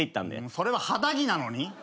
それは肌着なのに？